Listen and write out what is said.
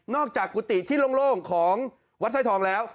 จากกุฏิที่โล่งของวัดสร้อยทองแล้ว